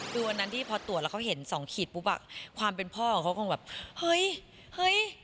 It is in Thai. คือวันนั้นที่พอตรวจแล้วเขาเห็นสองขีดปุ๊บอ่ะความเป็นพ่อของเขาคงแบบเฮ้ยเฮ้ย